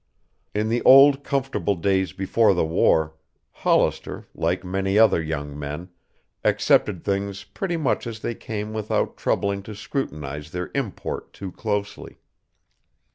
In the old, comfortable days before the war, Hollister, like many other young men, accepted things pretty much as they came without troubling to scrutinize their import too closely.